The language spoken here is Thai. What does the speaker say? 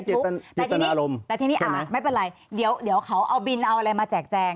เชิญค่ะคอมเม้นท์กันในเฟซบุ๊กแต่ทีนี้อ่าไม่เป็นไรเดี๋ยวเดี๋ยวเขาเอาบิลเอาอะไรมาแจกแจง